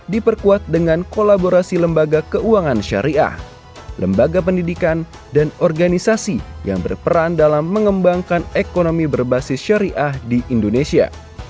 diperkuat dengan kolaborasi lembaga keuangan syariah lembaga pendidikan dan organisasi yang berperan dalam mengembangkan ekonomi berbasis syariah di indonesia